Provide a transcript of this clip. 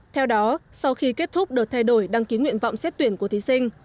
theo đó sau khi kết thúc đợt thay đổi đăng ký nguyện vọng xét tuyển của thí sinh